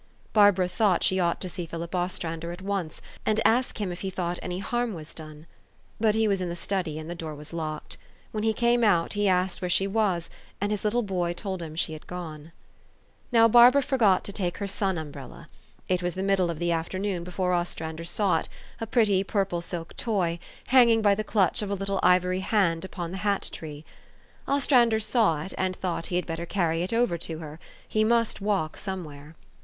Barbara thought she ought to see Philip Ostrander at once, and ask him if he thought any harm was done. But he was in the study, and the door was locked. When he came out, he asked where she was, and his little boy told him she had gone. Now, Barbara forgot to take her sun umbrella. It was the middle of the afternoon before Ostrander saw it a pretty purple silk toy hanging by the clutch of a little ivoiy hand upon the hat tree. Os THE STORY OF AVIS. 343 trander saw it, and thought he had better carry it over to her : he must walk somewhere.